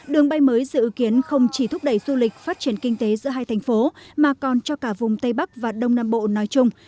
đường bay mới dự kiến không chỉ thúc đẩy du lịch phát triển kinh tế giữa hai thành phố mà còn cho cả vùng tây bắc và đông nam bộ nói chung